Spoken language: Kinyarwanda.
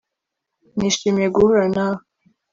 Nishimiye guhura nawe